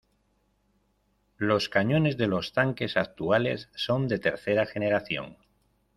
Los cañones de los tanques actuales son de tercera generación.